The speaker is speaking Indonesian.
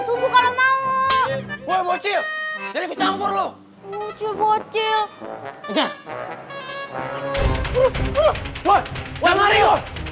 subuh kalau mau bocil jadi kecampur lo bocil bocil